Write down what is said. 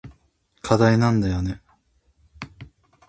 課題なんだよね。